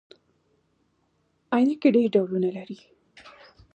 عینکي ډیر ډولونه لري